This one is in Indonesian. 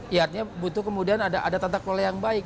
ya artinya butuh kemudian ada tata kelola yang baik